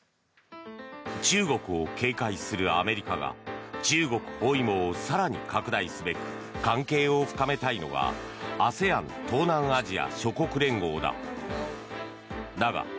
中国を警戒するアメリカが中国包囲網を更に拡大すべく関係を深めたいのがＡＳＥＡＮ・東南アジア諸国連合だ。